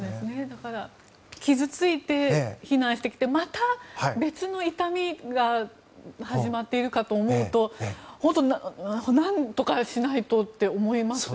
だから傷付いて、避難してきてまた別の痛みが始まっているかと思うとなんとかしないとって思います。